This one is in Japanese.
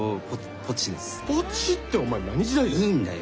ポチってお前何時代だよ！